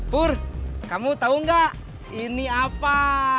pur kamu tau gak ini apa